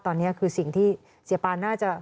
ตอนนี้คือสิ่งที่เสียปานน่าจะ